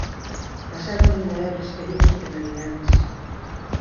Pasaron innumerables perigos e penalidades.